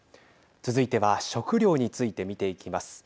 続いては食料について見ていきます。